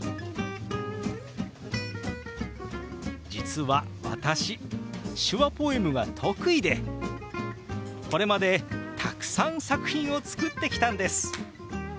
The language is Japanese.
実は私手話ポエムが得意でこれまでたくさん作品を作ってきたんです。